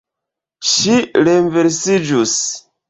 Ŝi renversiĝus.